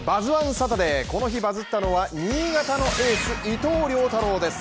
サタデー、この日バズったのは新潟のエース・伊藤涼太郎です。